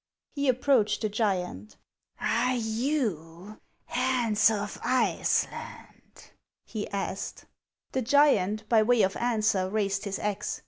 He approached the giant. " Are you Hans of Iceland ?" he asked. The giant, by way of answer, raised his axe.